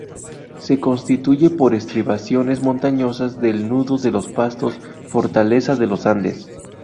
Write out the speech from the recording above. Se constituye por estribaciones montañosas del nudo de los pastos, fortaleza de los andes.